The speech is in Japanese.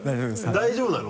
大丈夫なの？